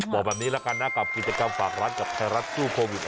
บอกแบบนี้น่ะกับกิจกรรมฝากรัฐกับไทรัตต์ซู่โควิด